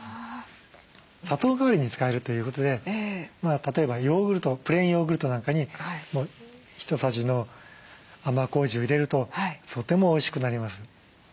砂糖代わりに使えるということで例えばプレーンヨーグルトなんかに１さじの甘こうじを入れるととてもおいしくなります。